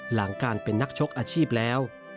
หลังการเป็นนักชกอาชีพแล้ว